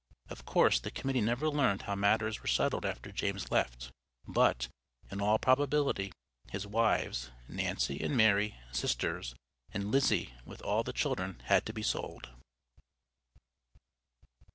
Of course, the Committee never learned how matters were settled after James left, but, in all probability, his wives, Nancy and Mary (sisters), and Lizzie, with all the children, had to be sold.